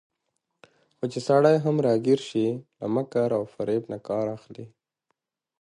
خو چې سړى هم راګېر شي، له مکر وفرېب نه کار اخلي